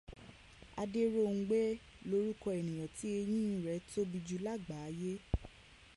Adéróngbé lorúkọ ènìyàn tí ẹyín rẹ̀ tóbi jù lágbàáyé.